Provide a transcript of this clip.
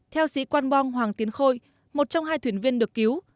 theo sĩ quan bong hoàng tiến khôi một trong hai thuyền viên được cứu